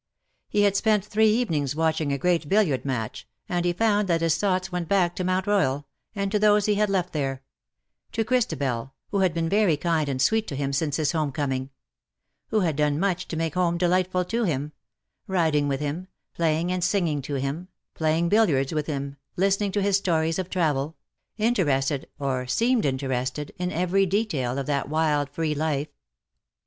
He had spent three evenings watching a great billiard match, and he found that his thoughts went back to Mount Royal, and to those he had left there — to Christabel, who had been very kind and sweet to him since his home coming; who had done much to make home delightful to him — riding with him, playing and singing to him, playing billiards with '' LOVE WILL HAVE HIS DAY." 71 him_, listening to his stories of travel — interested or seeming interested,, in every detail of that wild free life.